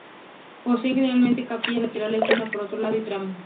Poseen generalmente capillas laterales, una por lado y tramo.